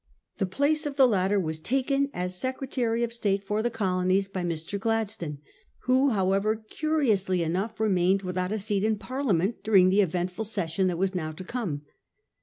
The place of the latter was taken as Secretary of State for the Colonies by Mr. Gladstone, who however curiously enough remained without a seat in Parliament during the eventful session that was now to come.